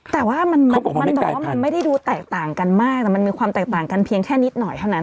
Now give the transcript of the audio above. แต่ว่ามันบอกว่ามันไม่ได้ดูแตกต่างกันมากแต่มันมีความแตกต่างกันเพียงแค่นิดหน่อยเท่านั้น